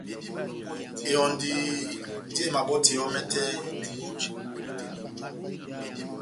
Ehɔndi yɔ́ndi emabɔtiyɛ yɔ́ mɛtɛ mɛtɛ mebɔjɛ